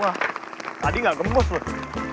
wah tadi ga gembus loh